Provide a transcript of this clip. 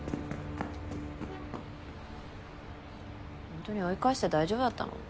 ほんとに追い返して大丈夫だったの？